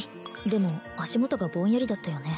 でも足元がぼんやりだったよね